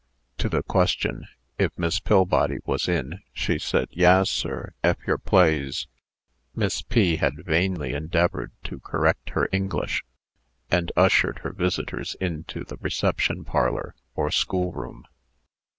To the question, if Miss Pillbody was in, she said, "Yaas, sir, ef yer plaze" (Miss P. had vainly endeavored to correct her English), and ushered her visitors into the reception parlor, or schoolroom.